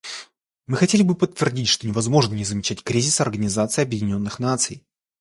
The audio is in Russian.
Мы хотели бы подтвердить, что невозможно не замечать кризис Организации Объединенных Наций.